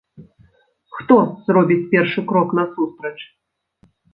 Хто зробіць першы крок насустрач?